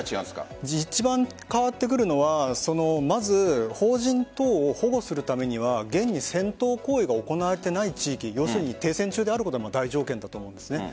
一番変わってくるのはまず邦人を保護するためには現に戦闘行為が行われていない地域停戦中であることが大条件だと思うんです。